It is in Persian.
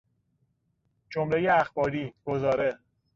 جملهی اخباری، گزاره